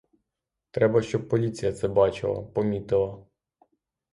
Треба, щоб поліція це бачила, помітила.